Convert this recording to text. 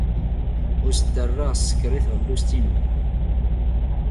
Ur as-ttarraɣ sskeṛ i teɣlust-inu.